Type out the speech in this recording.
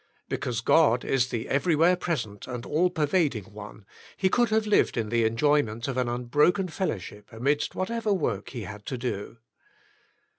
Because God is the Everywhere present and All pervading One, he could have lived in the enjoyment of an unbroken fellowship amidst whatever work he had to do.